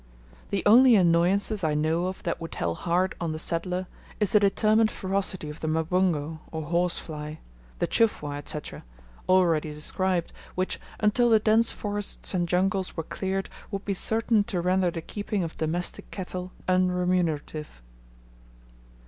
The only annoyances I know of that would tell hard on the settler is the determined ferocity of the mabungu, or horse fly; the chufwa, &c., already described, which, until the dense forests and jungles were cleared, would be certain to render the keeping of domestic cattle unremunerative.